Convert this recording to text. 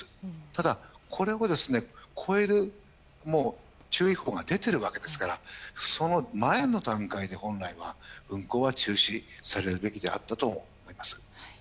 ただ、これを超える注意報が出ているわけですからその前の段階で本来は運航は中止されるべきであったと思います。